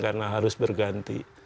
karena harus berganti